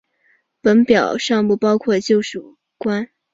本表尚不包括旧税关。